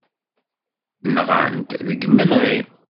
Nɣan-t deg yimenɣi.